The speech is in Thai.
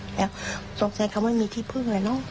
แล้วตกใจเค้าไม่มีที่พึ่งเลยเนอะ